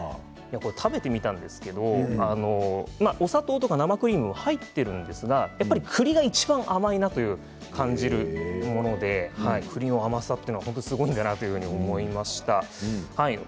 食べてみたんですけどお砂糖や生クリームが入っているんですがやっぱりくりがいちばん甘いなと感じるものでくりの甘さ、本当にすごいんだなと思いました。